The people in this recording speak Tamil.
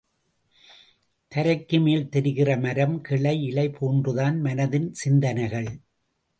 தரைக்கு மேல் தெரிகிற மரம், கிளை, இலை போன்றுதான் மனதின் சிந்தனைகள்.